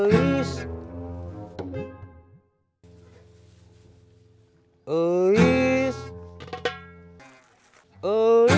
ya sudah mas bro